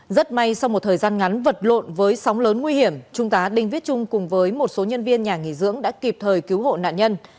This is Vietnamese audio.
rất may sau một thời gian ngắn vật lộn với sóng lớn nguy hiểm trung tá đinh viết trung cùng với một số nhân viên nhà nghỉ dưỡng đã kịp thời cứu hộ nạn nhân